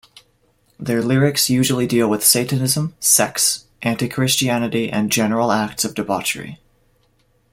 Their lyrics usually deal with Satanism, sex, anti-Christianity, and general acts of debauchery.